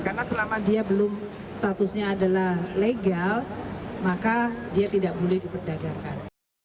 karena selama dia belum statusnya adalah legal maka dia tidak boleh diperdagangkan